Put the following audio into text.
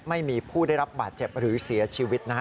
ไม่มีผู้ได้รับบาดเจ็บหรือเสียชีวิตนะฮะ